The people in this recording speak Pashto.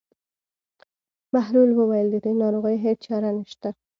بهلول وویل: د دې ناروغۍ هېڅ چاره نشته.